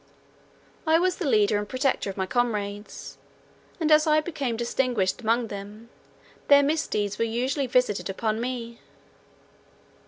I was the leader and protector of my comrades, and as I became distinguished among them, their misdeeds were usually visited upon me.